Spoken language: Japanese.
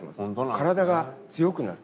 体が強くなる。